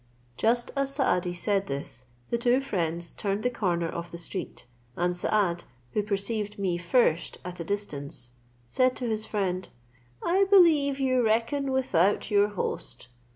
Just as Saadi said this, the two friends turned the corner of the street, and Saad, who perceived me first at a distance, said to his friend, "I believe you reckon without your host.